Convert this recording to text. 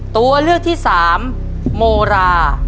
ตัวเลือกที่สามโมรา